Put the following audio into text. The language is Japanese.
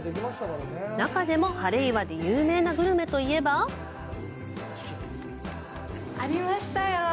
中でもハレイワで有名なグルメといえばありましたよ。